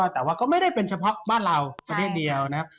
แต่ว่าก็ไม่ได้เป็นเฉพาะบ้านเราประเทศเดียวนะครับ